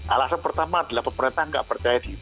alasan pertama adalah pemerintah nggak percaya diri